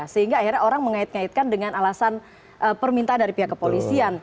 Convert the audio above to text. sehingga akhirnya orang mengait ngaitkan dengan alasan permintaan dari pihak kepolisian